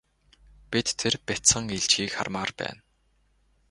Бид тэр бяцхан илжгийг хармаар байна.